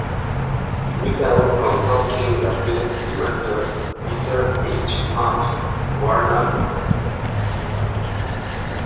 Without consulting the film's director, Peter H. Hunt, Warner ordered the film re-edited.